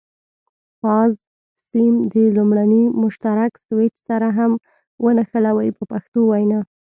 فاز سیم د لومړني مشترک سویچ سره هم ونښلوئ په پښتو وینا.